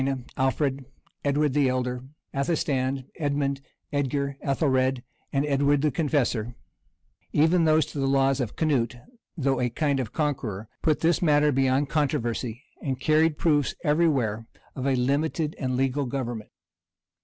] The preambles to all the laws of Ethelbert, Ina, Alfred, Edward the Elder, Athelstan, Edmond, Edgar, Ethelred, and Edward the Confessor; even those to the laws of Canute though a kind of conqueror, put this matter beyond controversy, and carry proofs every where of a limited and legal government.